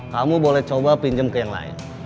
kamu boleh coba pinjam ke yang lain